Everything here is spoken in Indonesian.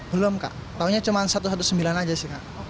belum kak taunya cuma satu ratus sembilan belas aja sih kak